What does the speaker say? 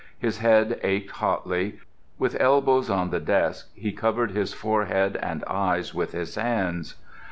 His head ached hotly. With elbows on the desk he covered his forehead and eyes with his hands.